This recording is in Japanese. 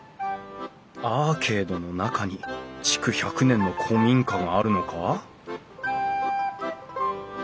アーケードの中に築１００年の古民家があるのか？